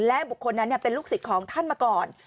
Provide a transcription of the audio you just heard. และบุคคลนั้นเป็นลูกศิษย์ของท่านมาก่อน